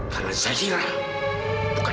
karena zairah bukan anak bapak